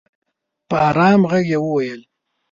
په ارام ږغ یې وویل